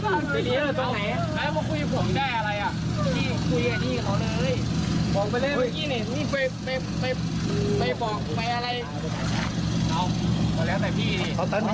เฮี้ยพี่เข้ามาข้างในดีกว่าเบาะรถเฮี้ย